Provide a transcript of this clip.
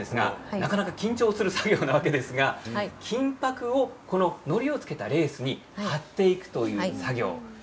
なかなか緊張する作業なわけですが金ぱくをこののりをつけたレースに貼っていくという作業です。